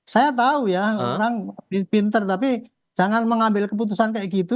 saya tahu ya orang pinter tapi jangan mengambil keputusan kayak gitu